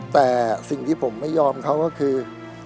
แต่สิ่งที่ผมไม่ยอมเขาก็คือ